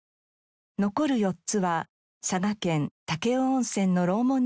残る４つは佐賀県武雄温泉の楼門にあります。